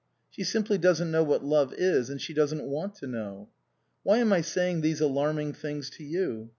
She simply doesn't know what love is, and she doesn't want to know. Why am I saying these alarming things to you?